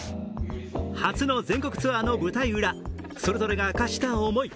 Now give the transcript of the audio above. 初の全国ツアーの舞台裏それぞれが明かした思い。